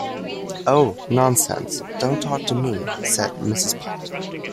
‘Oh, nonsense, don’t talk to me,’ said Mrs. Pott.